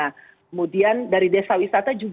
kemudian dari desa wisata